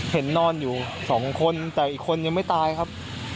นอนอยู่สองคนแต่อีกคนยังไม่ตายครับ